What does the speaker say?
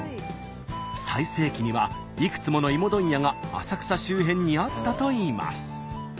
最盛期にはいくつものいも問屋が浅草周辺にあったといいます。